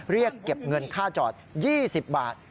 เรียกเก็บเงินค่าจอด๒๐บาท